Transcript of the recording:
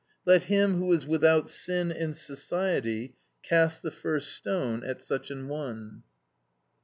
Let him who is without sin in society cast the first stone at such an one."